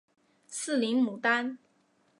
四棱牡丹